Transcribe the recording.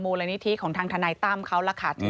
มูลนิธิของทางธนายตั้มเขาระขัด